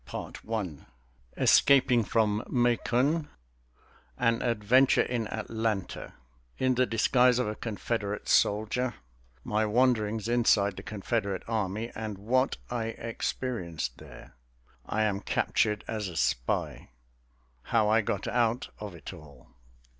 CHAPTER XI Escaping from Macon An adventure in Atlanta In the disguise of a Confederate soldier My wanderings inside the Confederate army and what I experienced there I am captured as a spy How I got out of it all.